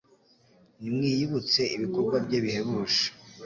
Nimwiyibutse ibikorwa bye bihebuje